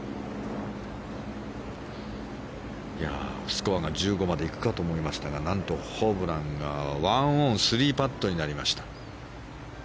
スコアが１５までいくかと思いましたが何と、ホブランが１オン３パットになりました。